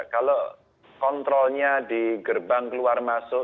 kalau kontrolnya di gerbang keluar masuk